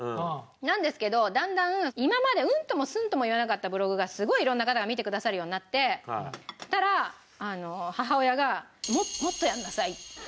なんですけどだんだん今までうんともすんとも言わなかったブログがすごい色んな方が見てくださるようになってそしたら母親が。